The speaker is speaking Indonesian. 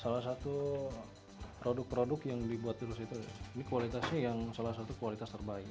salah satu produk produk yang dibuat virus itu ini kualitasnya yang salah satu kualitas terbaik